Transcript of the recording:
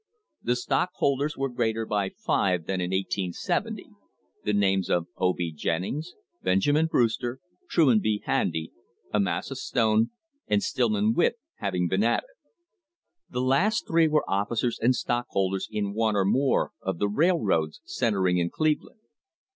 * These stockholders were greater by five than in 1870, the names of O. B. Jennings, Benjamin Brewster, Truman P. Handy, Amasa Stone, and Stillman Witt having been added. The last three were officers and stockholders in one or more of the railroads centring in Cleveland.